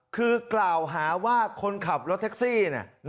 คือกล่าวหาว่าคนขับรถแท็กซี่